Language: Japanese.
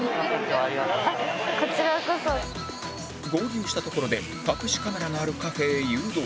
合流したところで隠しカメラがあるカフェへ誘導